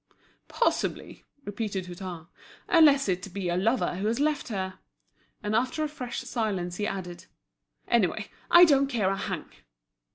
"Possibly," repeated Hutin, "unless it be a lover who has left her." And after a fresh silence, he added: "Any way, I don't care a hang!"